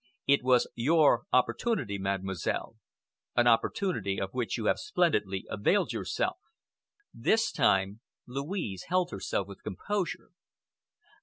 It was your opportunity, Mademoiselle, an opportunity of which you have splendidly availed yourself." This time Louise held herself with composure.